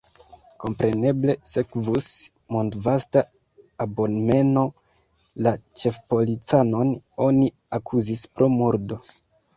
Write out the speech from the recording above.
Kompreneble sekvus mondvasta abomeno, la ĉefpolicanon oni akuzus pro murdo.